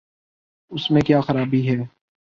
اس میں کیا خرابی ہے؟